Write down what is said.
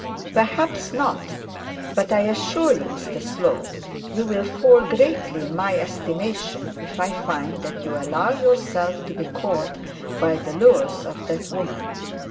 'Perhaps not; but I assure you, Mr Slope, you will fall greatly in my estimation if I find that you allow yourself to be caught by the lures of that woman.